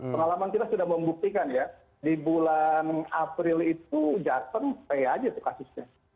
pengalaman kita sudah membuktikan ya di bulan april itu jateng pay aja tuh kasusnya